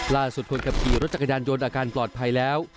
คนขับขี่รถจักรยานยนต์อาการปลอดภัยแล้ว